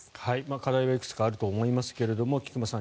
課題はいくつかあると思いますが菊間さん